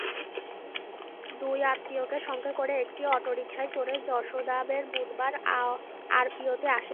দুই আত্মীয়কে সঙ্গে করে একটি অটোরিকশায় চড়ে যশোদাবেন বুধবার আরপিওতে আসেন।